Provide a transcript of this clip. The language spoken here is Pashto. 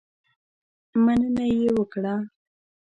مننه یې وکړه.